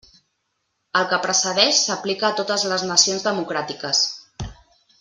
El que precedeix s'aplica a totes les nacions democràtiques.